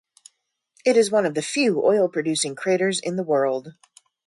It is one of the few oil-producing craters in the world.